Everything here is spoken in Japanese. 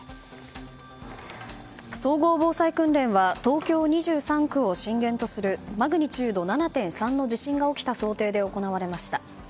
総合防災訓練は東京２３区を震源とするマグニチュード７．３の地震が起きた想定で行われました。